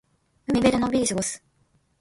海辺でのんびり過ごす。